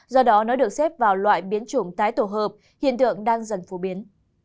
do đó nó được xếp vào loại biến chủng tái tổ hợp hiện tượng đang dần phổ biến